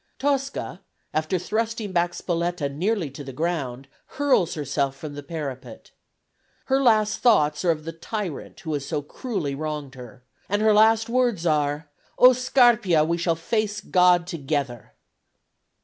Tosca after thrusting back Spoletta nearly to the ground, hurls herself from the parapet. Her last thoughts are of the tyrant who has so cruelly wronged her, and her last words are: "O Scarpia, we shall face God together!"